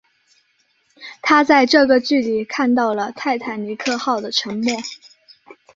他在这个距离看到了泰坦尼克号的沉没。